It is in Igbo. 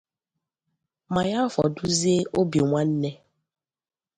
ma ya fọdụzie obi nwanne